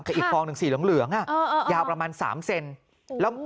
แต่อีกฟองตรงสีเหลืองอะยาวประมาณ๓เซนตรา